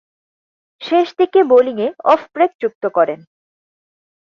শেষদিকে বোলিংয়ে off break যুক্ত করেন।